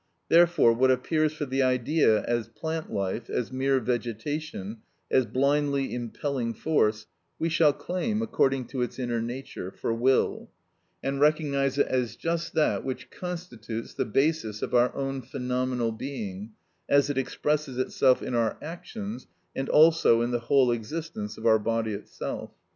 Therefore, what appears for the idea as plant life, as mere vegetation, as blindly impelling force, we shall claim, according to its inner nature, for will, and recognise it as just that which constitutes the basis of our own phenomenal being, as it expresses itself in our actions, and also in the whole existence of our body itself.